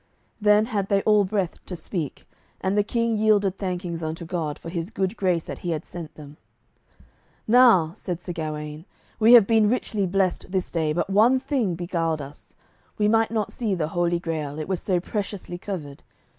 Then had they all breath to speak, and the King yielded thankings unto God for His good grace that He had sent them. "Now," said Sir Gawaine, "we have been richly blessed this day, but one thing beguiled us, we might not see the Holy Grail, it was so preciously covered.